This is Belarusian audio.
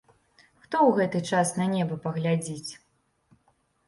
Хто у гэты час на неба паглядзіць.